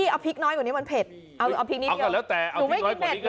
เอาปริกนิดหน่อยก็ได้